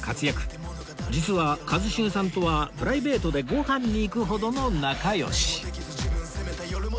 実は一茂さんとはプライベートでご飯に行くほどの仲良し